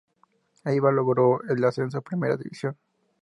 Eibar logró el ascenso a Primera División.